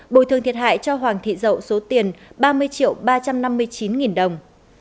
bồi thương thiệt hại cho hoàng thị dậu số tiền ba mươi triệu ba trăm năm mươi chín nghìn đồng